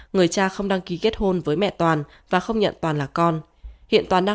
người cha không đăng ký kết hôn với mẹ toàn và không nhận toàn là con hiện toàn đang